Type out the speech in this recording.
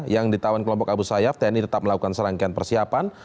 yang ditawan kelompok abu sayyaf tni tetap melakukan serangkaian persiapan